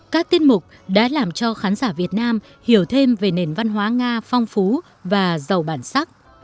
các tiết mục đã làm cho khán giả việt nam hiểu thêm về nền văn hóa nga phong phú và giàu bản sắc